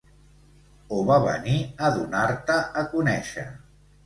O va venir a donar-te a conèixer.